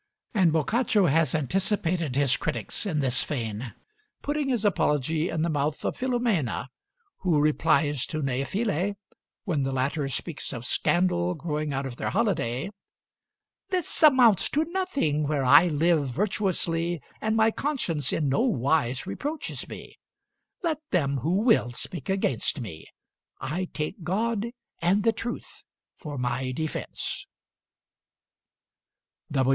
And Boccaccio has anticipated his critics in this vein, putting his apology in the mouth of Filomena, who replies to Neifile, when the latter speaks of scandal growing out of their holiday, "This amounts to nothing where I live virtuously and my conscience in no wise reproaches me let them who will, speak against me: I take God and the truth for my defense."